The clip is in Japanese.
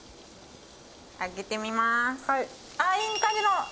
開けてみます。